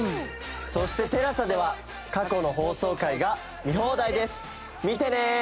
そしてＴＥＬＡＳＡでは過去の放送回が見放題です。